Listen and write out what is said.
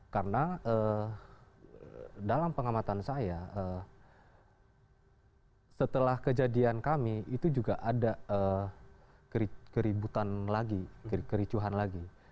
karena eh dalam pengamatan saya eh setelah kejadian kami itu juga ada eh keributan lagi kericuhan lagi